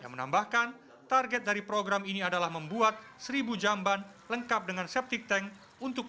yang menambahkan target dari program ini adalah membuat seribu jamban lengkap dengan septic tank untuk